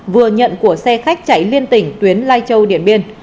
vừa nhận của xe khách chảy liên tỉnh tuyến lai châu điển biên